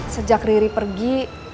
sejak riri pergi